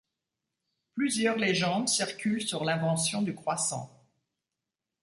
Plusieurs légendes circulent sur l'invention du croissant.